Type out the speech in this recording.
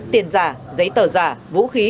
tiền giả giấy tờ giả vũ khí